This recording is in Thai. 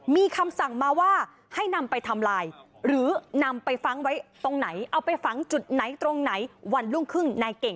มีคำสั่งมาว่าให้นำไปทำลายหรือนำไปฝังไว้ตรงไหน